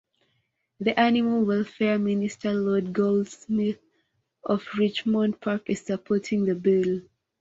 The animal welfare minister Lord Goldsmith of Richmond Park is supporting the bill.